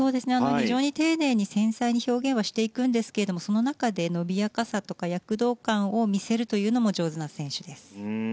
非常に丁寧に繊細に表現はしていくんですがその中で伸びやかさとか躍動感を見せるというのも上手な選手です。